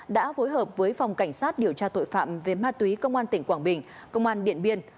đã phối hợp với phòng cảnh sát điều tra tội phạm về ma túy công an tỉnh quảng bình công an điện biên